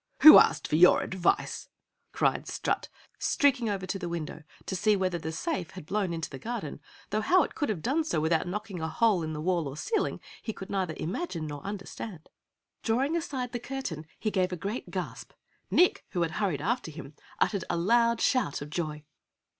"Who asked for your advice?" cried Strut, streaking over to the window to see whether the safe had blown into the garden, though how it could have done so without knocking a hole in the wall or ceiling, he could neither imagine nor understand. Drawing aside the curtain he gave a great gasp. Nick, who had hurried after him, uttered a loud shout of joy.